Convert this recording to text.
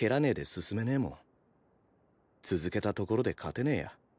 続けたところで勝てねえや。